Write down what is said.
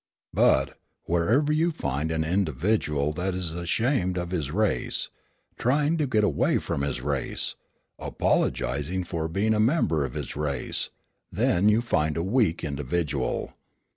But, whenever you find an individual that is ashamed of his race, trying to get away from his race, apologising for being a member of his race, then you find a weak individual.